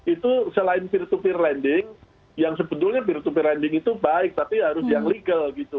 itu selain peer to peer lending yang sebetulnya peer to peer lending itu baik tapi harus yang legal gitu